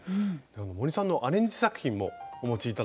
森さんのアレンジ作品もお持ち頂いたんでこちら。